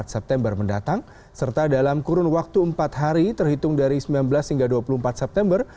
empat september mendatang serta dalam kurun waktu empat hari terhitung dari sembilan belas hingga dua puluh empat september